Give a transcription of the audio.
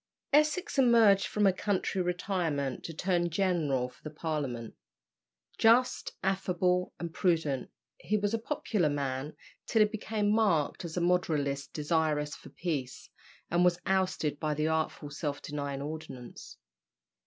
Essex emerged from a country retirement to turn general for the Parliament. Just, affable, and prudent, he was a popular man till he became marked as a moderatist desirous for peace, and was ousted by the artful "Self denying Ordinance."